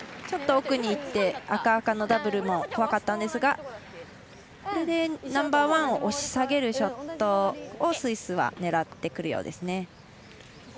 ちょっと奥にいって赤、赤のダブルも怖かったんですがこれでナンバーワンを押し下げるショットをスイスは狙ってくるようですね。